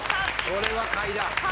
これは買いだ。